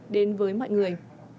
đến với mọi người